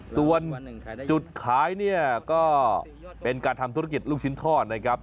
ส่วนจุดขายเนี่ยก็เป็นการทำธุรกิจลูกชิ้นทอดนะครับ